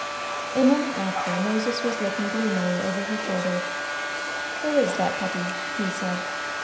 A moment after Moses was looking gloomily over her shoulder. "Who is that puppy?" he said.